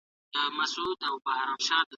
شاعران ټولنې ته خپل هنر ښکاره کوي.